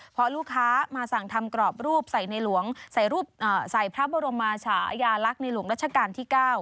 เพราะลูกค้ามาสั่งทำกรอบรูปใส่ในหลวงใส่พระบรมชายาลักษณ์ในหลวงรัชกาลที่๙